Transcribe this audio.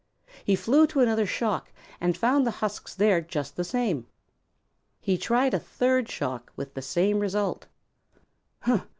He flew to another shock and found the husks there just the same. He tried a third shock with the same result.